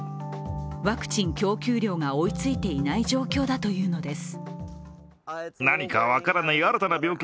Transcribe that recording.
ワクチン供給量が追いついていない状況だというのです。